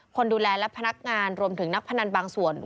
คนดูแลและพนักงานรวมถึงนักพนันบางส่วน